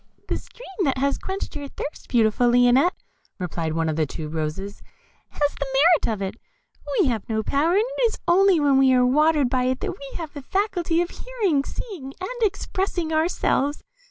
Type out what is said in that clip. "The stream that has quenched your thirst, beautiful Lionette," replied one of the tube roses, "has the merit of it; we have no power, and it is only when we are watered by it that we have the faculty of hearing, seeing, and expressing ourselves.